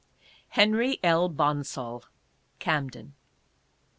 HEXRY L. BONSALL: Camden.